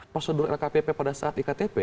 prosedur lkpp pada saat di ktp